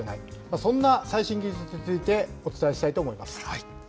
そんな最新技術についてお伝えしたいと思います。